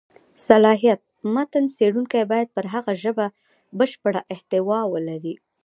صلاحیت: متن څېړونکی باید پر هغه ژبه بشېړه احتوا ولري.